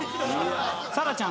沙羅ちゃん